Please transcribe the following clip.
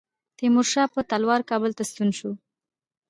تیمورشاه په تلوار کابل ته ستون شو.